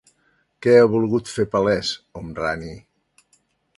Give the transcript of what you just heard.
Què ha volgut fer palès, Homrani?